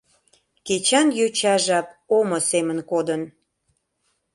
Кечан йоча жап Омо семын кодын.